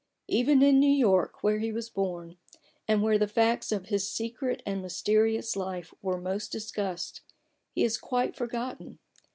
Even in New York where he was born, and where the facts of his secret and mysterious life were most discussed, he is quite forgotten.